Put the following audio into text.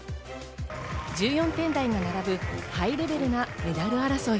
１４点台が並ぶハイレベルなメダル争い。